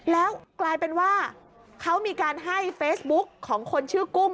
แล้วกลายเป็นว่าเขามีการให้เฟซบุ๊กของคนชื่อกุ้ง